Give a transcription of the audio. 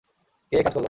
কে এ কাজ করল?